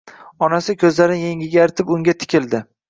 Onasi ko‘zlarini yengiga artib unga tikildi.